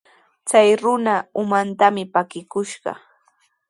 Chay runa umantami pakikushqa.